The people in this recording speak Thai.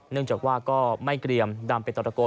เนื่องจากว่าก็ไม่เกรียมดำไปต่อตระโก